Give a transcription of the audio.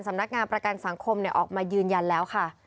สำนักงานประกันสังคมออกมายืนยันแล้วค่ะ